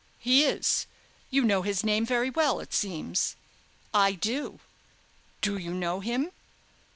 "He is. You know his name very well, it seems." "I do." "Do you know him?"